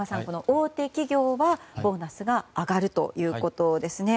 大手企業はボーナスが上がるということですね。